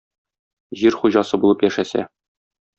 Җир хуҗасы булып яшәсә!